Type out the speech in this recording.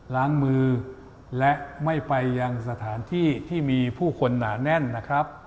ล้างมือและไม่ไปยังสถานที่ที่มีผู้คนหนาแน่นนะครับ